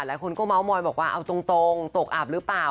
หลายคนก็เมาส์มอยบอกว่าเอาตรงตกอับหรือเปล่า